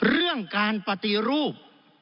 เรื่องการปฏิรูป